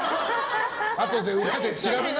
あとで裏で調べな。